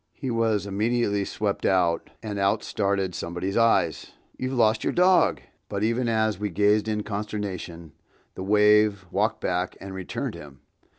He was immediately swept out, and out started somebody's eyes! "You've lost your dog!" But even as we gazed in consternation, the wave—walked back and returned him!